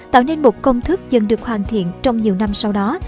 tạo nên một công thức dần được hoàn thiện trong nhiều năm sau đó